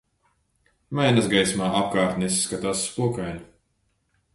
Mēness gaismā apkārtne izskatās spokaina.